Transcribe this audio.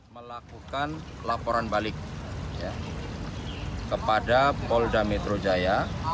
melakukan laporan balik kepada polda metro jaya